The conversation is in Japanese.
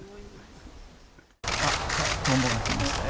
あっ、トンボが来ましたよ。